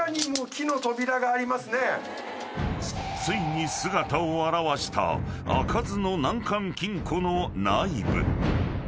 ［ついに姿を現した開かずの難関金庫の内部］